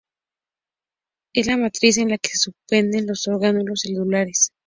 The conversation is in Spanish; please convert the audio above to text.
Es la matriz en la que se suspenden los orgánulos celulares.